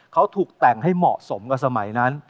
เขาถูกแต่งให้เหมาะสมกับสมัยนั้น